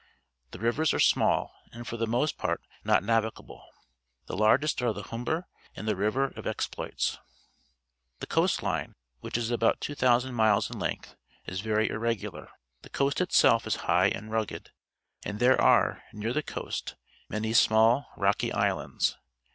The rivers are small and for the most part not navigable ; the largest are the Humber and the River of Explgiis. The coast line, which is about 2,000 miles in length, is very irregular. The coast itself is high and rugged, and there ai'e, near the coast, many small, rocky islands.